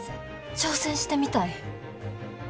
挑戦してみたい。